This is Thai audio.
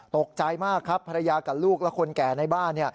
ตกใจมากครับภรรยากับลูกและคนแก่ในบ้าน